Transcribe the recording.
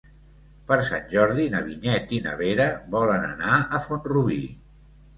Per Sant Jordi na Vinyet i na Vera volen anar a Font-rubí.